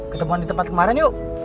ketemuan di tempat kemarin yuk